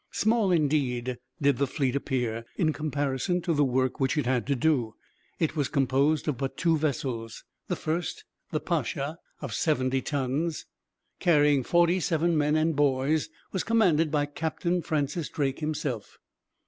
Small, indeed, did the fleet appear, in comparison to the work which it had to do. It was composed of but two vessels. The first, the Pacha, of seventy tons, carrying forty seven men and boys, was commanded by Captain Francis Drake himself.